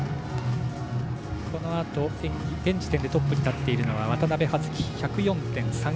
このあと現時点でトップに立っているのは渡部葉月、１０４．３９７。